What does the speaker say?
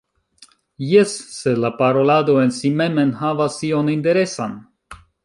Jes, se la parolado en si mem enhavas ion interesan?